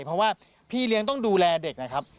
เพราะว่าพี่เลี้ยงต้องดูแลเด็กนะครับ